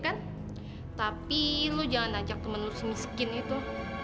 kan tapi lu jangan ajak temen semiskin itu